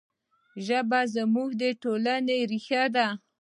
ژبه زموږ د ټولنې ریښه ده.